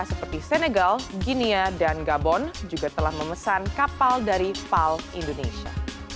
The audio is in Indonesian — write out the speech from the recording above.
seperti senegal ginia dan gabon juga telah memesan kapal dari pal indonesia